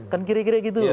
kan kira kira gitu